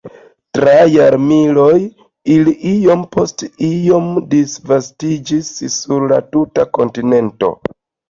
Tra jarmiloj ili iom post iom disvastiĝis sur la tuta kontinento.